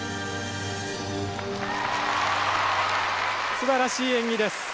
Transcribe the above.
すばらしい演技です。